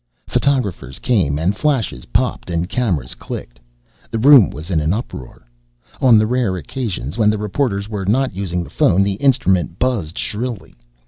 Photographers came and flashes popped and cameras clicked. The room was in an uproar. On the rare occasions when the reporters were not using the phone the instrument buzzed shrilly.